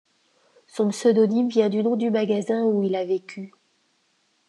Son pseudonyme vient du nom du magasin où il a vécu.